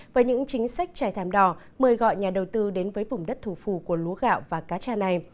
với những chính sách trải thảm đỏ mời gọi nhà đầu tư đến với vùng đất thủ phủ của lúa gạo và cá trà này